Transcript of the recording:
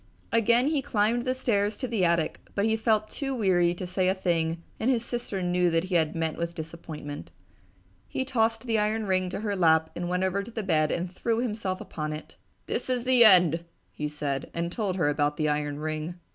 Again he climbed the stairs to the attic but he felt too weary to say a thing and his sister knew that he had met with disappointment. He tossed the iron ring to her lap and went over to the bed and threw himself upon it. "This is the end!" he said, and told her about the iron ring.